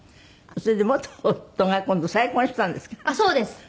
それで元夫が今度再婚したんですか？